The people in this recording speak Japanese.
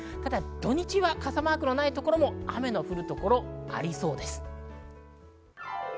土日は傘マークないところも雨の降る所はありそうです。